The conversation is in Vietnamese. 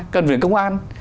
cần phải có công an